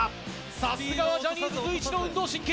さすがはジャニーズ随一の運動神経。